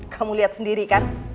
kamu lihat sendiri kan